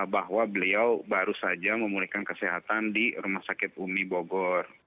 bahwa beliau baru saja memulihkan kesehatan di rumah sakit umi bogor